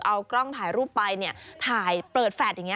เอากล้องถ่ายรูปไปเนี่ยถ่ายเปิดแฟลตอย่างนี้